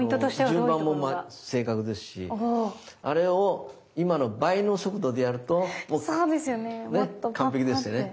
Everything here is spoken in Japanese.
順番も正確ですしあれを今の倍の速度でやると完璧ですよね。